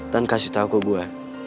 dan kasih tahu ke gue